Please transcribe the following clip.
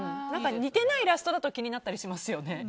似てないイラストだと気になったりしますよね。